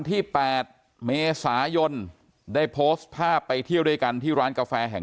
ที่๘เมษายนได้โพสต์ภาพไปเที่ยวด้วยกันที่ร้านกาแฟแห่ง